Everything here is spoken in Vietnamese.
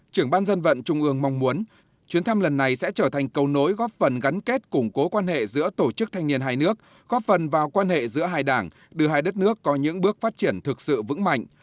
trưởng ban dân vận trung ương mong muốn chuyến thăm lần này sẽ trở thành cầu nối góp phần gắn kết củng cố quan hệ giữa tổ chức thanh niên hai nước góp phần vào quan hệ giữa hai đảng đưa hai đất nước có những bước phát triển thực sự vững mạnh